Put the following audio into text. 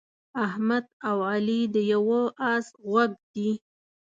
احمد او علي د یوه اس غوږ دي.